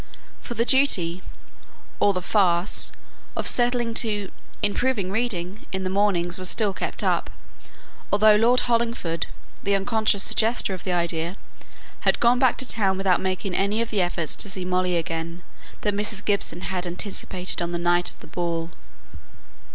For the duty, or the farce, of settling to "improving reading" in the mornings was still kept up, although Lord Hollingford, the unconscious suggestor of the idea, had gone back to town without making any of the efforts to see Molly again that Mrs. Gibson had anticipated on the night of the ball.